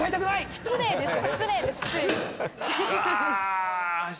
失礼ですよ。